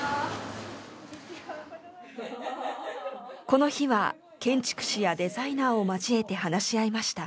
この日は建築士やデザイナーを交えて話し合いました。